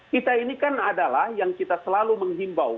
kita ini kan adalah yang kita selalu menghimbau